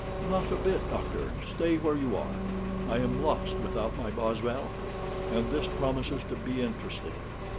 "Not a bit, doctor. Stay where you are. I am lost without my Boswell. And this promises to be interesting.